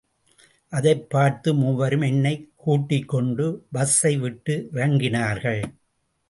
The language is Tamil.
அதைப் பார்த்த மூவரும் என்னைக் கூட்டிக் கொண்டு பஸ்ஸை விட்டு இறங்கினார்கள்.